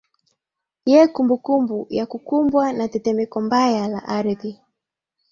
ye kumbukumbu ya kukumbwa na tetemeko mbaya la ardhi